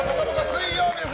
水曜日です。